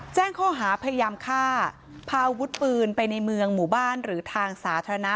แจ้งข้อหาพยายามฆ่าพาอาวุธปืนไปในเมืองหมู่บ้านหรือทางสาธารณะ